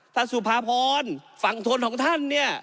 สุภาพรฝั่งทนของท่านเนี่ย